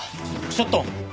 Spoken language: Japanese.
ちょっと！